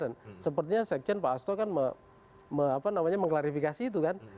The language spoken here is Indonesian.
dan sepertinya seksian pak asto kan mengklarifikasi itu kan